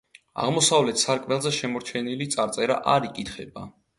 აღმოსავლეთ სარკმელზე შემორჩენილი წარწერა არ იკითხება.